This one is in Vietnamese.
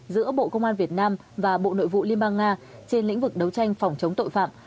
giữa bộ công an việt nam và bộ nội vụ liên bang nga trên lĩnh vực đấu tranh phòng chống tội phạm